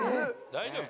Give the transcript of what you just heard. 大丈夫？